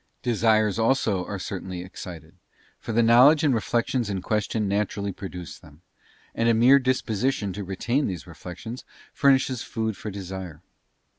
Desires also are certainly excited, for the knowledge and reflections in question naturally produce them, and a mere disposition to retain these reflections furnishes food for desire.